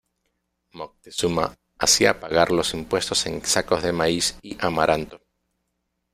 Moctezuma hacía pagar los impuestos en sacos de maíz y amaranto.